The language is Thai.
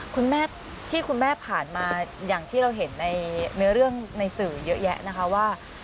คุณแม่ที่คุณแม่ผ่านมาอย่างที่เราเห็นในเนื้อเรื่องในสื่อเยอะแยะนะคะว่า